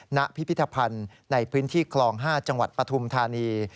ณพิพิธภัณฑ์ในพื้นที่คลอง๕จังหวัดปฐุมธานี